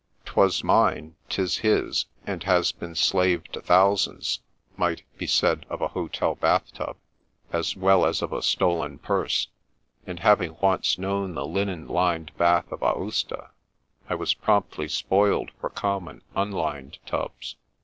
" *Twas mine, 'tis his, and has been slave to thousands," might be said of a hotel bath tub as well as of a stolen purse; and having once known the linen lined bath of Aosta, I was promptly spoiled for common, un lined tubs.